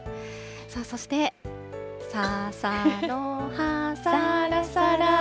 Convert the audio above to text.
そして、ささのはさらさら。